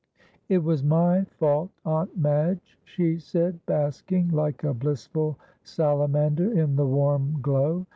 "It was my fault, Aunt Madge," she said, basking like a blissful salamander in the warm glow.